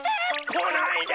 こないで！